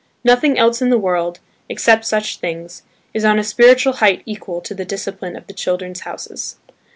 Nothing else in the world, except such things, is on a spiritual height equal to the discipline of the "Children's Houses."